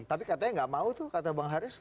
tapi katanya nggak mau tuh kata bang haris